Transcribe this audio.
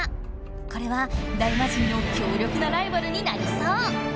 これは大魔神の強力なライバルになりそう！